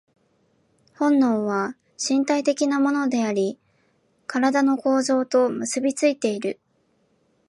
本能は身体的なものであり、身体の構造と結び付いている。